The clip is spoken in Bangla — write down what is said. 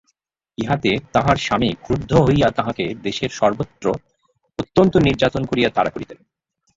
ইহাতে তাঁহার স্বামী ক্রুদ্ধ হইয়া তাঁহাকে দেশের সর্বত্র অত্যন্ত নির্যাতন করিয়া তাড়া করিতেন।